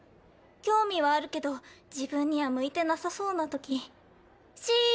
興味はあるけど自分には向いてなさそうな時ＣＥＯなら。